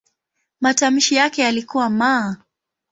Matamshi yake yalikuwa "m".